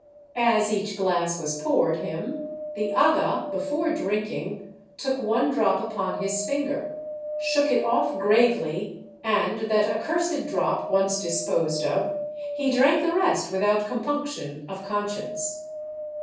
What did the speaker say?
As each glass was poured him, the aga, before drinking, took one drop upon his finger, shook it off gravely, and, that accursed drop once disposed of, he drank the rest without compunction of conscience.